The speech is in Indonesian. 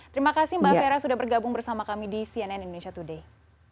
terima kasih mbak vera sudah bergabung bersama kami di cnn indonesia today